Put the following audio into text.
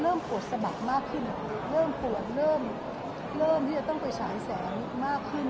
ปวดสะบักมากขึ้นเริ่มปวดเริ่มที่จะต้องไปฉายแสงมากขึ้น